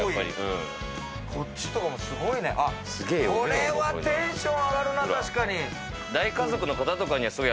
これはテンション上がるな、確かに。